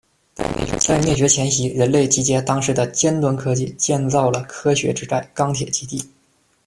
在灭绝前夕，人类集结当时的尖端科技，建造了科学之寨“钢铁基地”。